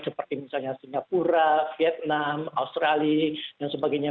seperti misalnya singapura vietnam australia dan sebagainya